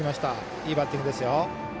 いいバッティングですよ。